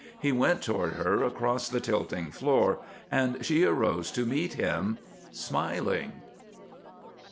He went toward her across the tilting floor and she arose to meet him, smiling.